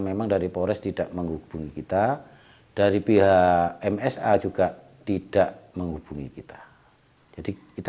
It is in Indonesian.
memang dari polres tidak menghubungi kita dari pihak msa juga tidak menghubungi kita jadi kita